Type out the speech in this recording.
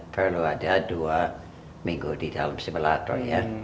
perlu ada dua minggu di dalam simulator ya